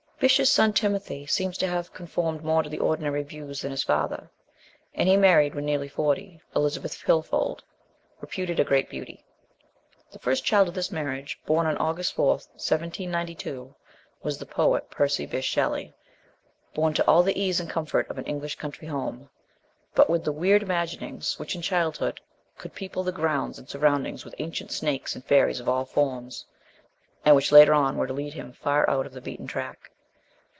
Bysshe's son Timothy seems to have conformed more to ordinary views than his father, and he mar ried, when nearly forty, Elizabeth Pilfold, reputed a great beauty. The first child of this marriage, born on August 4, 1792, was the poet, Percy Bysshe Shelley, born to all the ease and comfort of an English country home, but with the weird imaginings which in childhood could people the grounds and surroundings with ancient snakes and fairies of all forms, and which later on were to lead him far out of the beaten track.